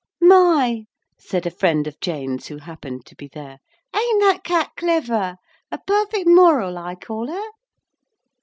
'My!' said a friend of Jane's who happened to be there, 'ain't that cat clever a perfect moral, I call her.'